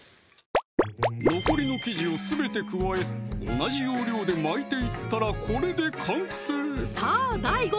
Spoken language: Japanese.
残りの生地をすべて加え同じ要領で巻いていったらこれで完成さぁＤＡＩＧＯ